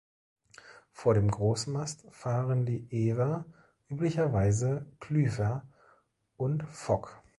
Vor dem Großmast fahren die Ewer üblicherweise Klüver und Fock.